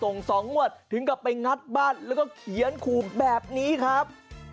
ส่ง๒งวดถึงกลับไปงัดบ้านแล้วก็เขียนขู่แบบนี้ครับ